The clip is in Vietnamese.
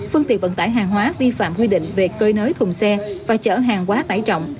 phương tiện vận tải hàng hóa vi phạm quy định về cơi nới thùng xe và chở hàng quá tải trọng